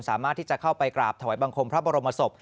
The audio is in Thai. สามารถที่จะเข้าไปกราบถวายบังคมพระบรมศพ